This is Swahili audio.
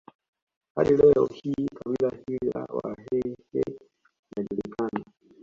Hadi leo hii kabila hili la Wahee linajulikana